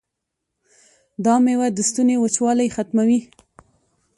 دا میوه د ستوني وچوالی ختموي.